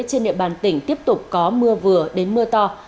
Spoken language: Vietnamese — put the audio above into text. trên địa bàn tỉnh tiếp tục có mưa vừa đến mưa to